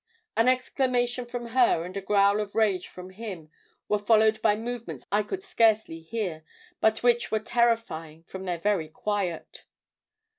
"An exclamation from her and a growl of rage from him were followed by movements I could scarcely hear, but which were terrifying from their very quiet.